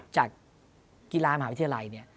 จากกีฬามหาวิทยาลัยเนี่ย